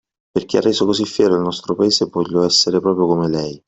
Perché ha reso così fiero il nostro paese, e voglio essere proprio come lei.